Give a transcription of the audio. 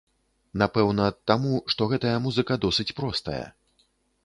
Напэўна, таму, што гэтая музыка досыць простая.